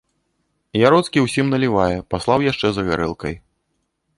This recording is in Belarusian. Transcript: Яроцкі ўсім налівае, паслаў яшчэ за гарэлкай.